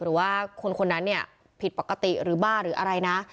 หรือว่าคนนั้นเนี่ยผิดปกติหรือบ้าหรืออะไรนะ